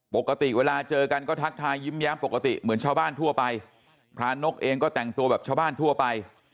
ปกติเวลาเจอกันก็ทักทายยิ้มแย้มปกติเหมือนชาวบ้านทั่วไปพระนกเองก็แต่งตัวแบบชาวบ้านทั่วไป